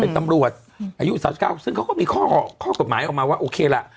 เป็นตำรวจอายุสามสิบเก้าซึ่งเขาก็มีข้อข้อกฎหมายออกมาว่าโอเคล่ะ